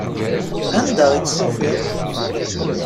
Anda i tt-tufiḍ?